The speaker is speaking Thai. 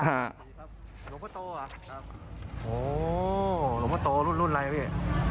โหหลบพระโตโร่นไรพี่